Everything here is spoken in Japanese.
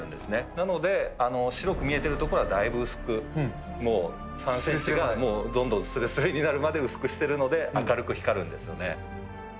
なので、白く見えている所はだいぶ薄く、もう３センチがもうどんどんすれすれになるまで薄くしてるので、明るく光るんですよね。